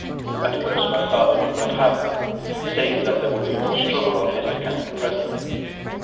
At first my father would not have that, saying that there would be much trouble on his account presently.